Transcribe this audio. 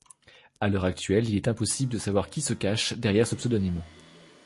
À l'heure actuelle, il est impossible de savoir qui se cache derrière ce pseudonyme.